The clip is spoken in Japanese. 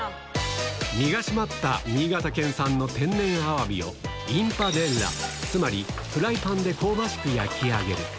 身が締まった新潟県産の天然アワビを、インパデッラ、つまりフライパンで香ばしく焼き上げる。